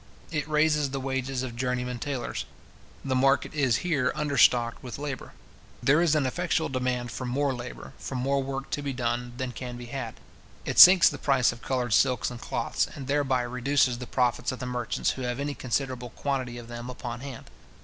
It raises the wages of journeymen tailors. The market is here understocked with labour. There is an effectual demand for more labour, for more work to be done, than can be had. It sinks the price of coloured silks and cloths, and thereby reduces the profits of the merchants who have any considerable quantity of them upon hand.